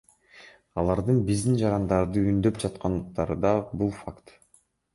Алардын биздин жарандарды үндөп жаткандыктары да – бул факт.